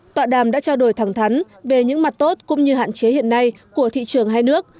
tọa đàm đã trao đổi thẳng thắn về những mặt tốt cũng như hạn chế hiện nay của thị trường hai nước